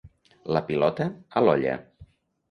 La pilota, a l'olla.